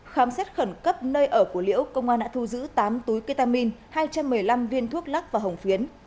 khám xét khẩn cấp nơi ở của liễu công an đã thu giữ tám túi ketamine hai trăm một mươi năm viên thuốc lắc và hồng phiến